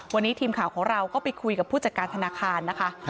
วันนี้ทีมข่าวของเราก็ไปคุยกับผู้จัดการธนาคารนะคะ